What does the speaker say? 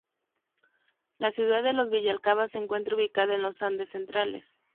La ciudad de Vilcabamba se encuentra ubicada en los Andes Centrales.